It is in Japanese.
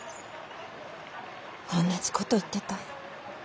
おんなじ事言ってた。